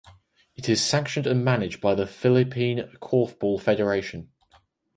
It is sanctioned and managed by the Philippine Korfball Federation.